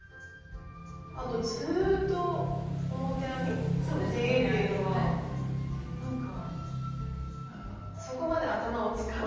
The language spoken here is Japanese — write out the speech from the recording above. あとずっと表編み？でいいっていうのがなんかそこまで頭を使わずというか。